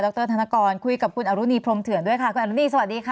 รธนกรคุยกับคุณอรุณีพรมเถื่อนด้วยค่ะคุณอนุนีสวัสดีค่ะ